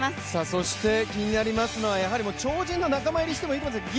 そして気になりますのは超人の仲間入りしてもいいかもしれません。